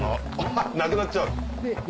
なくなっちゃう。